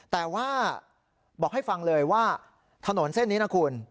แต่ว่าบอกให้ฟังเลยว่าถนนเส้นนี้นะคุณ